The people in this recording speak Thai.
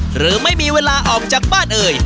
หรือไม่มีเวลาออกจากบ้านเอ่ย